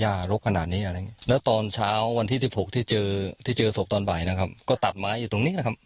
ย่ารถขนาดนี้แล้วตอนเช้าวันที่ที่พกที่เจอที่เจอศพตอนบ่ายนะครับก็ตัดไม้อยู่ตรงนี้นะครับ